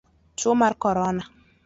Tuo mar korona.